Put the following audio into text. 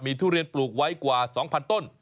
ทุเรียนปลูกไว้กว่า๒๐๐ต้น